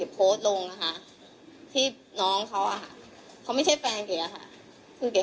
แหลมเจ็บทุกคนเจ็บเหรอเก๋ไหมคุณสนุกปากคุณอาจจะคนอื่นเจ็บ